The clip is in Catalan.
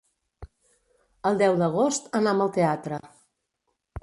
El deu d'agost anam al teatre.